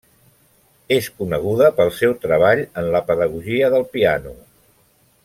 És coneguda pel seu treball en la pedagogia del piano.